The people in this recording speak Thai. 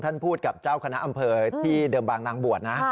พูดกับเจ้าคณะอำเภอที่เดิมบางนางบวชนะ